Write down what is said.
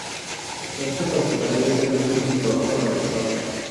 Este resultaría ser su último trabajo realizado.